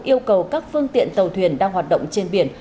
yêu cầu các phương tiện tàu thuyền đang hoạt động trên biển